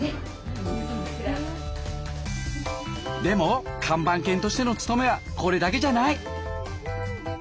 でも看板犬としての務めはこれだけじゃない。